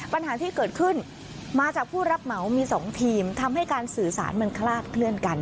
ปัญหาที่เกิดขึ้นมาจากผู้รับเหมามี๒ทีมทำให้การสื่อสารมันคลาดเคลื่อนกัน